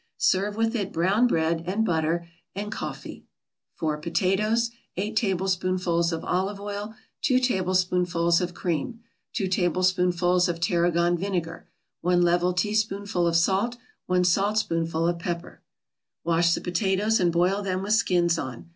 Serve with it brown bread and butter and coffee. 4 potatoes 8 tablespoonfuls of olive oil 2 tablespoonfuls of cream 2 tablespoonfuls of tarragon vinegar 1 level teaspoonful of salt 1 saltspoonful of pepper Wash the potatoes and boil them with skins on.